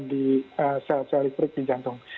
di sel sel listrik di jantung